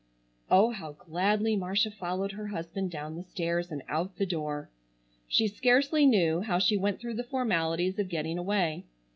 Oh how gladly Marcia followed her husband down the stairs and out the door! She scarcely knew how she went through the formalities of getting away.